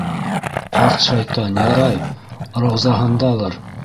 Ҡарт шайтан, ярай, Раузаһындалыр.